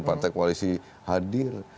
partai koalisi hadir